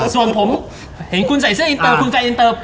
ส่วนผมเห็นคุณใส่เสื้ออินเตอร์คุณกายอินเตอร์